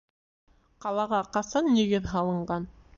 Ҡалаға ҡасан нигеҙ һалынған?